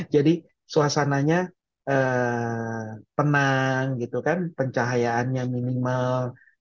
jadi suasananya penang gitu kan pencahayaannya minimal